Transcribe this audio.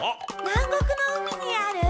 南国の海にある。